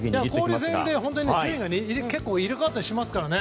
交流戦で本当に順位が入れ替わったりしますからね。